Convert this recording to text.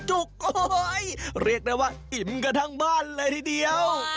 เรียกได้ว่าอิ่มกันทั้งบ้านเลยทีเดียว